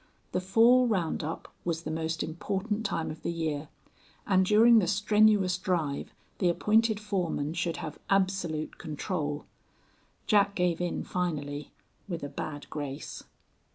The fall round up was the most important time of the year, and during the strenuous drive the appointed foreman should have absolute control. Jack gave in finally with a bad grace.